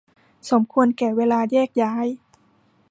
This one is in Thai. สมควรแก่เวลาแยกย้าย